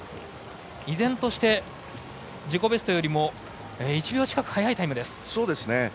依然として自己ベストよりも１秒近く速いタイムです。